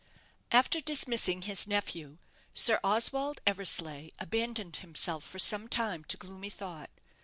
After dismissing his nephew, Sir Oswald Eversleigh abandoned himself for some time to gloomy thought.